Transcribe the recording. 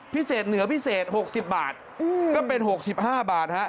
พิเศษเหนือพิเศษ๖๐บาทก็เป็น๖๕บาทฮะ